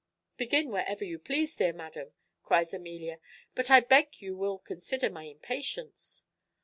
"Begin wherever you please, dear madam," cries Amelia; "but I beg you will consider my impatience."